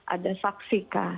ada saksi kah